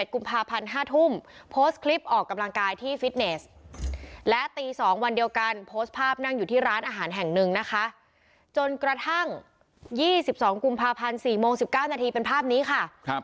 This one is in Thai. กุมภาพันธ์๕ทุ่มโพสต์คลิปออกกำลังกายที่ฟิตเนสและตี๒วันเดียวกันโพสต์ภาพนั่งอยู่ที่ร้านอาหารแห่งหนึ่งนะคะจนกระทั่ง๒๒กุมภาพันธ์๔โมง๑๙นาทีเป็นภาพนี้ค่ะ